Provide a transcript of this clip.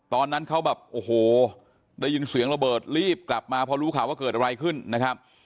ตอนนั้นเขาแบบโอ้โหได้ยินเสียงระเบิดรีบกลับมาพอรู้ข่าวว่าเกิดอะไรขึ้นนะครับ